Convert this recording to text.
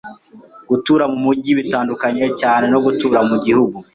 Gutura mumujyi bitandukanye cyane no gutura mugihugu.